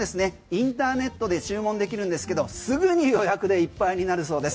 インターネットで注文できるんですけどすぐに予約でいっぱいになるそうです。